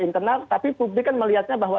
internal tapi publik kan melihatnya bahwa